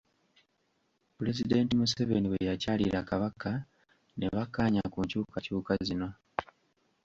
Pulezidenti Museveni bwe yakyalira Kabaka ne bakkaanya ku nkyukakyuka zino.